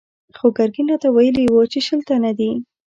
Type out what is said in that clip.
خو ګرګين راته ويلي و چې شل تنه دي.